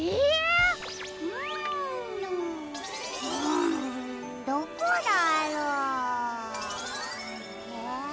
んどこだろう？え？